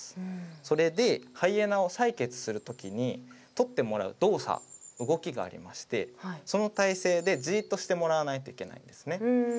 それでハイエナを採血する時にとってもらう動作動きがありましてその体勢でじっとしてもらわないといけないんですね。